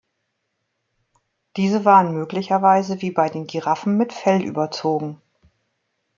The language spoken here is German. Diese waren möglicherweise wie bei den Giraffen mit Fell überzogen.